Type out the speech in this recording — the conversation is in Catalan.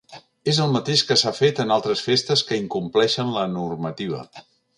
És el mateix que s’ha fet en altres festes que incompleixen la normativa.